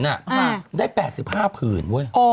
มันได้๘๕ผืน